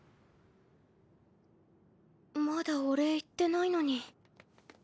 まだお礼言ってないのに。